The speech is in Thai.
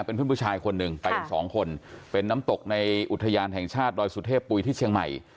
เป็นเพื่อนผู้ชายคนหนึ่งไปกันสองคนเป็นน้ำตกในอุทยานแห่งชาติดอยสุเทพปุ๋ยที่เชียงใหม่